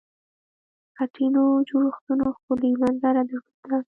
خټینو جوړښتونو ښکلې منظره درلوده.